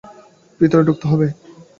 ভিতরে ঢুকতে হবে।